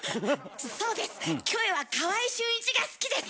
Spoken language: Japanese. そうですキョエは川合俊一が好きです！